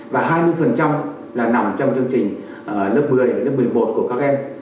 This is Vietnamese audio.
và hai mươi là nằm trong chương trình lớp một mươi lớp một mươi một của các em